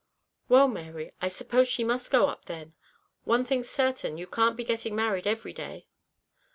"Well, Mary, I suppose she must go up then; one thing's certain, you can't be getting married every day."